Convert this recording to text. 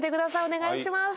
お願いします。